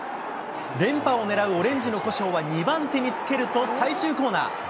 連覇をねらうオレンジの古性は２番手につけると、最終コーナー。